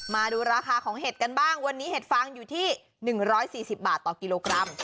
มาดูราคาของเห็ดกันบ้างวันนี้เห็ดฟางอยู่ที่๑๔๐บาทต่อกิโลกรัม